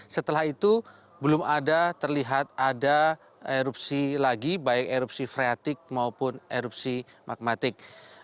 setelah itu belum ada terlihat ada erupsi lagi baik erupsi freatik maupun erupsi magmatik